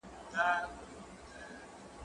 هغه څوک چي کتاب ليکي پوهه زياتوي!!